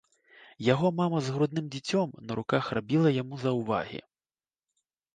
Яго мама з грудным дзіцём на руках рабіла яму заўвагі.